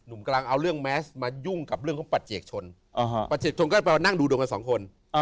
กำลังเอาเรื่องแมสมายุ่งกับเรื่องของปัจเจกชนปัจชนก็ไปนั่งดูดวงกันสองคน